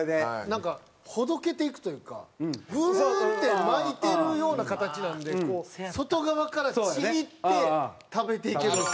なんかほどけていくというかグルンって巻いてるような形なんで外側からちぎって食べていけるんですよ。